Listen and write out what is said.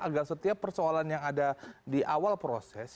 agar setiap persoalan yang ada di awal proses